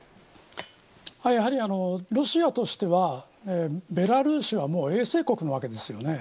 やはり、ロシアとしてはベラルーシは衛星国なわけです。